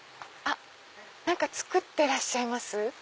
何か作ってらっしゃいます？